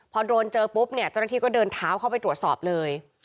พอโดนเจอปุ๊บเนี่ยเจ้าหน้าที่ก็เดินเท้าเข้าไปตรวจสอบเลย